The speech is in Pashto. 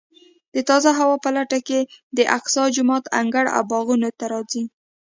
د تازه هوا په لټه کې د اقصی جومات انګړ او باغونو ته راځي.